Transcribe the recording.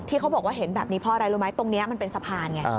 เขาบอกว่าเห็นแบบนี้เพราะอะไรรู้ไหมตรงนี้มันเป็นสะพานไง